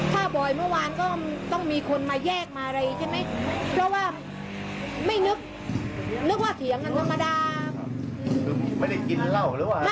กับมัวางก็ต้องมีคนมาแยกมาอะไรใช่ไหมเพราะว่าไม่ช่างดังนั้นว่าหรือลอง